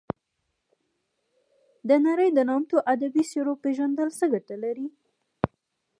د نړۍ د نامتو ادبي څیرو پېژندل څه ګټه لري.